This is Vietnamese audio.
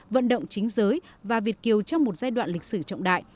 vận động chính giới và việt kiều trong một giai đoạn lịch sử trọng đại